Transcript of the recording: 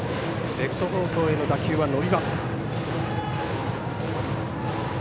レフト方向への打球は伸びます。